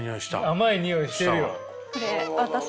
甘い匂いしてるよ。